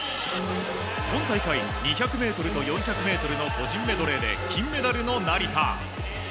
今大会２００ｍと４００ｍの個人メドレーで金メダルの成田。